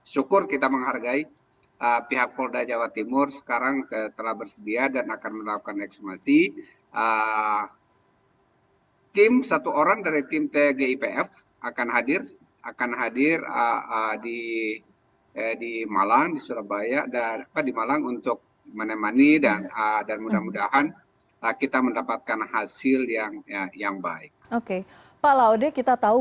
selamat sore mbak